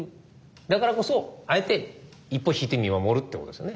だからこそあえて一歩引いて見守るってことですよね。